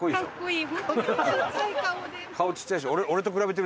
顔ちっちゃいでしょ？